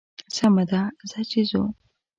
سمه ده ځه چې ځو.